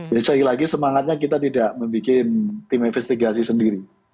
jadi sekali lagi semangatnya kita tidak membuat tim investigasi sendiri